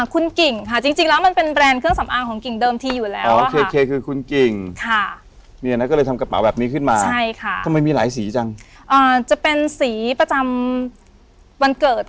คุณกิ่งค่ะจริงแล้วมันเป็นแรนด์เครื่องสำอางของกิ่งเดิมทีอยู่แล้ว